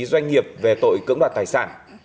doanh nghiệp về tội cưỡng đoạt tài sản